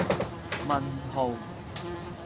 問號